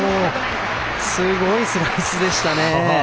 すごいスライスでしたね。